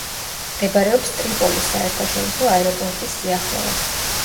მდებარეობს ტრიპოლის საერთაშორისო აეროპორტის სიახლოვეს.